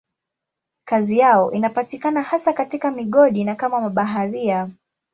Kazi yao inapatikana hasa katika migodi na kama mabaharia.